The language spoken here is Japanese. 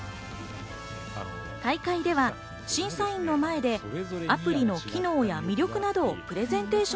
大会では審査員の前でアプリの機能や魅力などをプレゼンテーショ